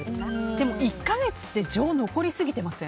でも、１か月って情が残りすぎていません？